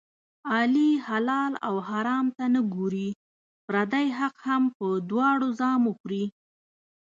علي حلال او حرام ته نه ګوري، پردی حق هم په دواړو زامو خوري.